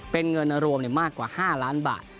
เป็นเงินรวมมากกว่า๕ล้านบาท